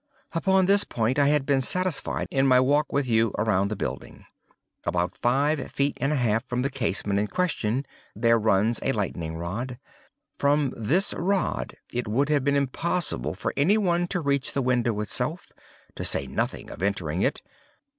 Upon this point I had been satisfied in my walk with you around the building. About five feet and a half from the casement in question there runs a lightning rod. From this rod it would have been impossible for any one to reach the window itself, to say nothing of entering it.